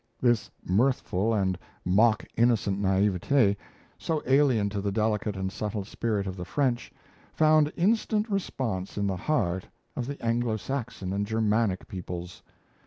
This mirthful and mock innocent naivete, so alien to the delicate and subtle spirit of the French, found instant response in the heart of the Anglo Saxon and Germanic peoples.